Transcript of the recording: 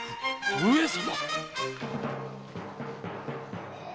上様。